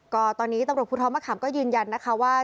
ก็ตอนนี้ตำรวจภูทรมะขามก็ยืนยันนะคะว่า